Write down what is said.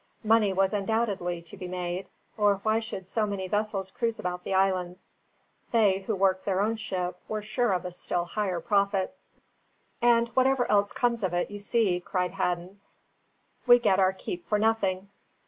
Money was undoubtedly to be made, or why should so many vessels cruise about the islands? they, who worked their own ship, were sure of a still higher profit. "And whatever else comes of it, you see," cried Hadden, "we get our keep for nothing.